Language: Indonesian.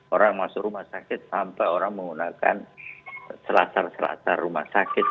orang masuk rumah sakit sampai orang menggunakan selasar selasar rumah sakit